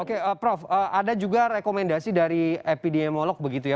oke prof ada juga rekomendasi dari epidemiolog begitu ya